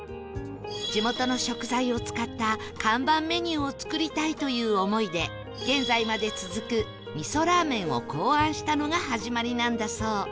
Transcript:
地元の食材を使った看板メニューを作りたいという思いで現在まで続くみそラーメンを考案したのが始まりなんだそう